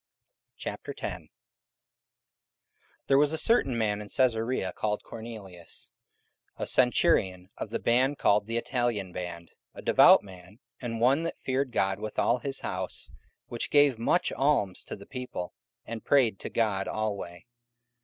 44:010:001 There was a certain man in Caesarea called Cornelius, a centurion of the band called the Italian band, 44:010:002 A devout man, and one that feared God with all his house, which gave much alms to the people, and prayed to God alway.